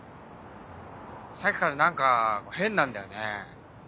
さっきから何か変なんだよね。